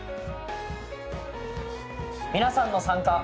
皆さんの参加。